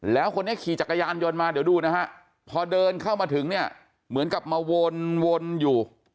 แล้วคนนี้ขี่จักรยานยนต์มาเดี๋ยวดูนะฮะพอเดินเข้ามาถึงเนี่ยเหมือนกับมาวนอยู่